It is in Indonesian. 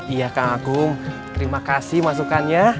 iya kang agung terima kasih masukannya